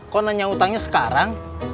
kok nanya utangnya sekarang